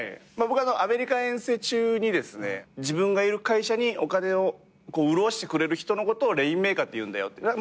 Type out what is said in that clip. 僕アメリカ遠征中に自分がいる会社にお金を潤してくれる人のことをレインメーカーっていうんだよって。